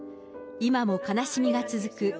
今も悲しみが続く